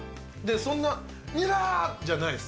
そんなニラ！じゃないです。